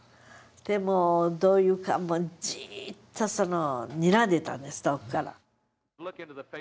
でどう言うかじっとにらんでたんです遠くから。